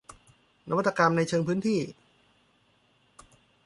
นวัตกรรมในเชิงพื้นที่